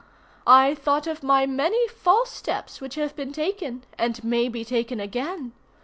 I thought of my many false steps which have been taken, and may be taken again.